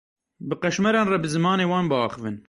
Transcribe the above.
Bi qeşmeran re bi zimanê wan biaxivin.